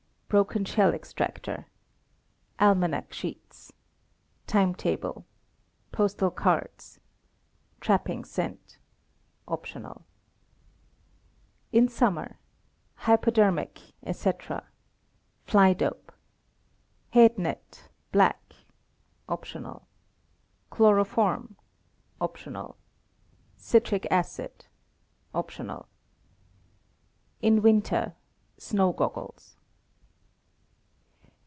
Broken shell extractor. Almanac sheets. Timetable. Postal cards. Trapping scent (?). In summer: Hypodermic, etc. Fly dope. Head net (black) (?) Chloroform (?) Citric acid (?) In winter: Snow goggles.